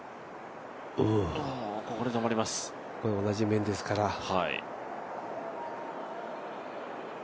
同じ面ですから。